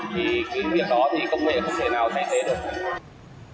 thì cái việc đó thì công nghệ không thể nào thay thế được